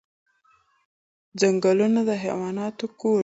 ځنګلونه د حیواناتو کور دی